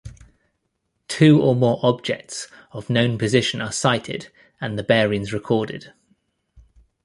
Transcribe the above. Two or more objects of known position are sighted, and the bearings recorded.